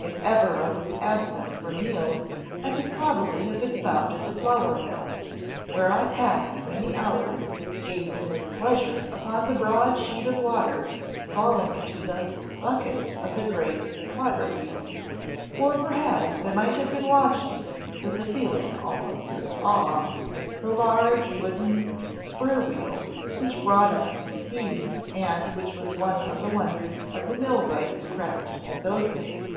If ever I was absent from meals, I could probably have been found at the flour mill ..., where I passed many hours, gazing with pleasure upon the broad sheet of water falling into the ... buckets of the great ... water wheel; or, perhaps, I might have been watch ing, with a feeling almost of awe, the large wooden spur INVENTIONS OF MANUFACTURE AND PRODUCTION wheel, which brought up the speed, and which was one of the wonders of the millwright's craft in those days."